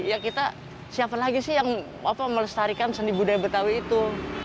ya kita siapa lagi sih yang melestarikan seni budaya betawi itu